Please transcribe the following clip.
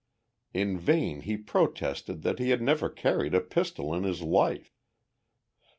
In vain he protested that he had never carried a pistol in his life.